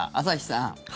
朝日さん